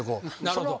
なるほど。